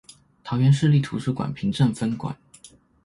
桃園市立圖書館平鎮分館